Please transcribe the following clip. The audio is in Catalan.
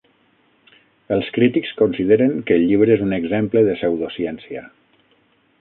Els crítics consideren que el llibre és un exemple de pseudociència.